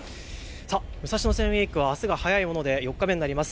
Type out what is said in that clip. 武蔵野線ウイークはあすが早いもので４日目になります。